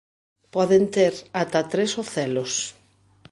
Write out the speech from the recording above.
Poden ter ata tres ocelos.